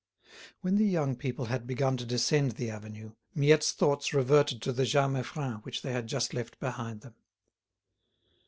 When the young people had begun to descend the avenue, Miette's thoughts reverted to the Jas Meiffren which they had just left behind them.